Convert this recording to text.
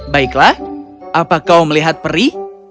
baiklah apa kau melihat peri